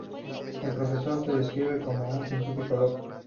El Profesor se describe como un científico loco.